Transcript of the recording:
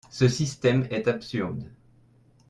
Ce système est absurde.